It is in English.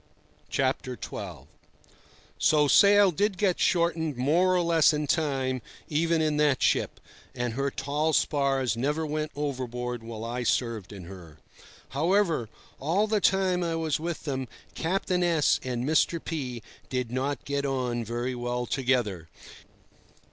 XII. So sail did get shortened more or less in time even in that ship, and her tall spars never went overboard while I served in her. However, all the time I was with them, Captain S— and Mr. P— did not get on very well together.